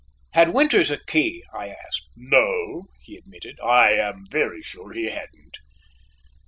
"Had Winters a key?" I asked. "No," he admitted, "I am very sure he hadn't."